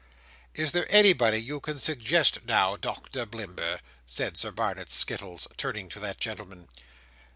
"Is there anybody you can suggest now, Doctor Blimber?" said Sir Barnet Skettles, turning to that gentleman.